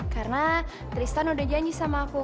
karena tristan udah janji sama aku